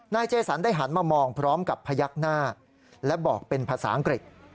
เจสันได้หันมามองพร้อมกับพยักหน้าและบอกเป็นภาษาอังกฤษ